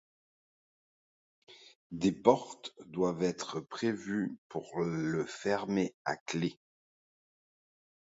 Des portes doivent être prévus pour le fermer à clef.